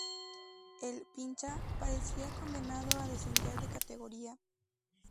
El "Pincha" parecía condenado a descender de categoría.